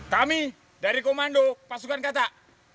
kami dari komando pasukan katak